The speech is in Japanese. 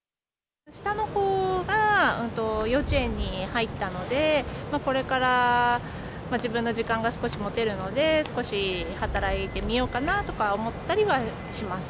下の子が幼稚園に入ったので、これから自分の時間が少し持てるので、少し働いてみようかなとかは思ったりはします。